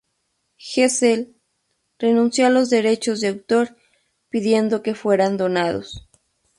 Hessel renunció a los derechos de autor, pidiendo que fueran donados.